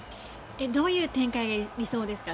どういう展開が理想ですか？